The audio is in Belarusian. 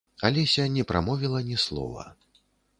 Алеся не прамовіла ні слова.